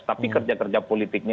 tapi kerja kerja politiknya